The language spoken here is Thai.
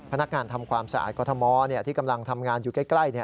พนักงานทำความสะอาดกรทมที่กำลังทำงานอยู่ใกล้